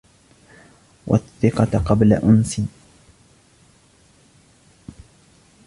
وَالثِّقَةَ قَبْلَ أُنْسٍ